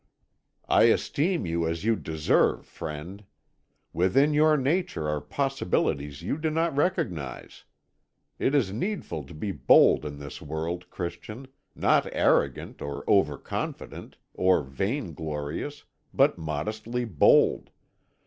"I esteem you as you deserve, friend. Within your nature are possibilities you do not recognise. It is needful to be bold in this world, Christian; not arrogant, or over confident, or vain glorious, but modestly bold.